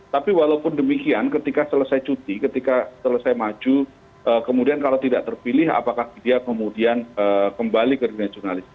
tapi walaupun demikian ketika selesai cuti ketika selesai maju kemudian kalau tidak terpilih apakah dia kemudian kembali ke dunia jurnalistik